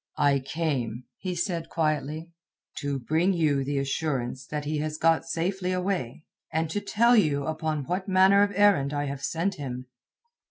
"I came," he said quietly, "to bring you the assurance that he has got safely away, and to tell you upon what manner of errand I have sent him."